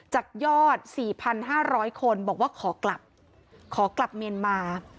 จากยอด๔๕๐๐คนบอกว่าขอกลับขอกลับเมียนมา